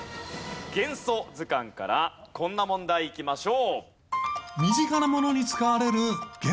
『元素図鑑』からこんな問題いきましょう。